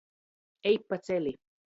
Ej paceli!